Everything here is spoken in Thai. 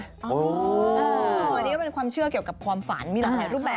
อันนี้ก็เป็นความเชื่อเกี่ยวกับความฝันมีหลากหลายรูปแบบ